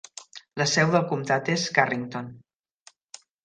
La seu del comtat és Carrington.